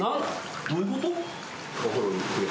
どういうこと？